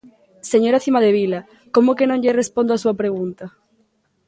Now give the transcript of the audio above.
Señora Cimadevila, ¿como que non lle respondo á súa pregunta?